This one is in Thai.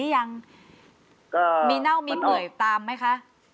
ค่ะก็มีน่ามีหมยตามไม่คะ